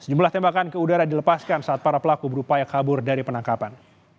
sejumlah tembakan ke udara dilepaskan saat para pelaku berupaya kabur dari penangkapan